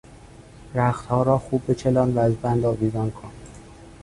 رختها را خوب بچلان و از بند آویزان کن!